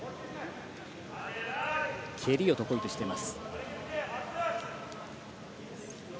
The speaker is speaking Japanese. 蹴りを得意としています。